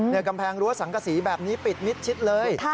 กำแพงรั้วสังกษีแบบนี้ปิดมิดชิดเลย